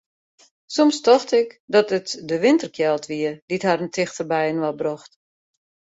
Soms tocht ik dat it de winterkjeld wie dy't harren tichter byinoar brocht.